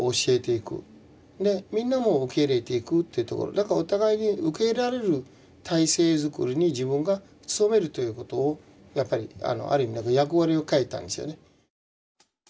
だからお互いに受け入れられる体制づくりに自分が努めるということをやっぱりある意味で役割を変えたんですよね。